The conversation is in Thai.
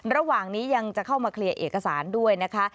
ระหว่างนี้ยังจะเข้ามาเคลียร์เอกสารด้วยนะคะ